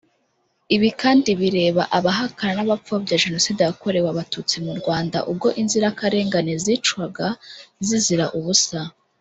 Ibikandi bireba abahakana n abapfobya Jenoside yakorewe Abatutsi mu Rwanda ubwo inzirakarengane zicwaga zizira ubusa.